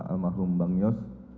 al masrum bang yus